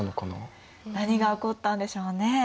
何が起こったんでしょうね。